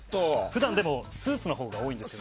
普段、でもスーツのほうが多いんです。